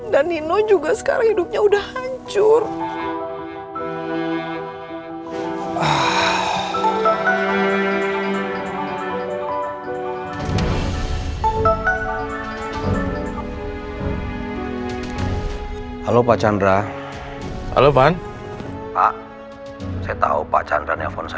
dan nino juga sekarang hidupnya udah hancur